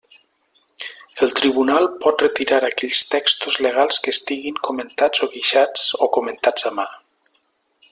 El tribunal pot retirar aquells textos legals que estiguin comentats o guixats o comentats a mà.